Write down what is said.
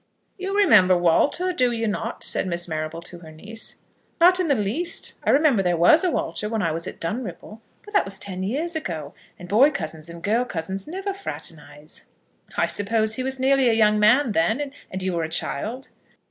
"You remember Walter, do you not?" said Miss Marrable to her niece. "Not the least in the world. I remember there was a Walter when I was at Dunripple. But that was ten years ago, and boy cousins and girl cousins never fraternise." "I suppose he was nearly a young man then, and you were a child?"